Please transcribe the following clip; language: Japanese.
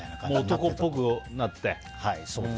男っぽくなって。